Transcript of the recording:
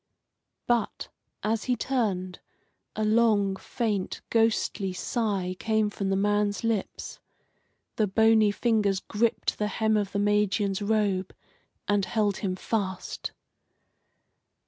But, as he turned, a long, faint, ghostly sigh came from the man's lips. The bony fingers gripped the hem of the Magian's robe and held him fast.